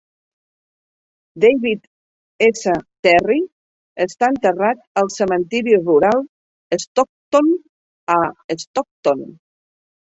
David S. Terry està enterrat al cementiri rural Stockton, a Stockton.